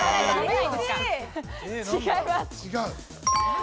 違います。